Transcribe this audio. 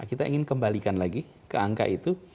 kita ingin kembalikan lagi ke angka itu